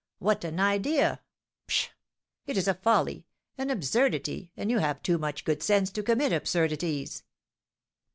What an idea! Psha! It is a folly, an absurdity; and you have too much good sense to commit absurdities."